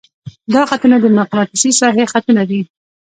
دا خطونه د مقناطیسي ساحې خطونه دي.